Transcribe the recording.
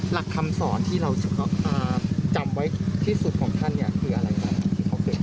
หลักคำสอนที่เราจำไว้ที่สุดของท่านคืออะไรคะ